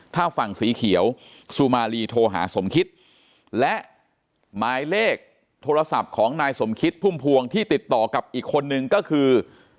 ถ้าฝั่งสีเขียวสุมารีโทรหาสมคิดและหมายเลขโทรศัพท์ของนายสมคิดพุ่มพวงที่ติดต่อกับอีกคนนึงก็คือ